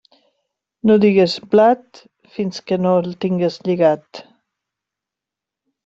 No digues blat fins que no el tingues lligat.